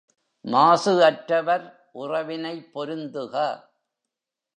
மாசு அற்றவர் உறவினைப் பொருந்துக.